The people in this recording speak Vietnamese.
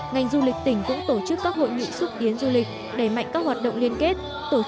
ngành du lịch tỉnh cũng tổ chức các hội nghị xúc tiến du lịch đẩy mạnh các hoạt động liên kết tổ chức